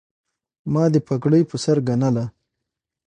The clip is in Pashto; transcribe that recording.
ما دې پګړۍ په سر ګنله